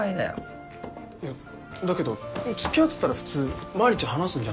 いやだけど付き合ってたら普通毎日話すんじゃないの？